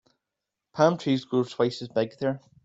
Palm trees grow twice as big there.